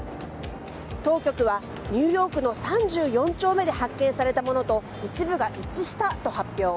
当局はニューヨークの３４丁目で発見されたものと一部が一致したと発表。